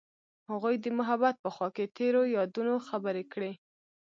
هغوی د محبت په خوا کې تیرو یادونو خبرې کړې.